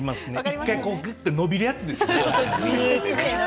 １回ぐっと伸びるやつですよね。